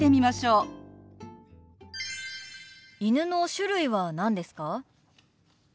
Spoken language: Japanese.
犬の種類は何ですか？